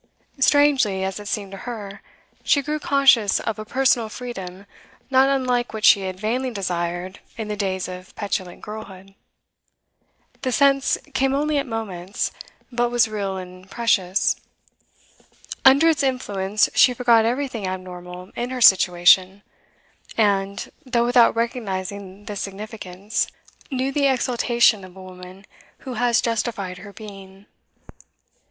Strangely, as it seemed to her, she grew conscious of a personal freedom not unlike what she had vainly desired in the days of petulant girlhood; the sense came only at moments, but was real and precious; under its influence she forgot everything abnormal in her situation, and though without recognising this significance knew the exultation of a woman who has justified her being.